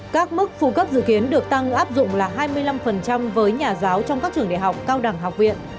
các mức phụ cấp dự kiến được tăng áp dụng là hai mươi năm với nhà giáo trong các trường đại học cao đẳng học viện